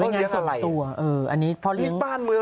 มีงานสักตัวอันนี้เพราะเลี้ยง